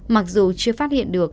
mặc dù chưa phát hiện được